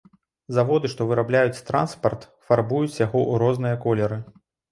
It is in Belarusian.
Заводы, што вырабляюць транспарт, фарбуюць яго у розныя колеры.